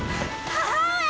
母上！